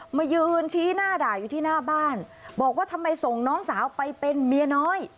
มายืนชี้หน้าด่าอยู่ที่หน้าบ้านบอกว่าทำไมส่งน้องสาวไปเป็นเมียน้อย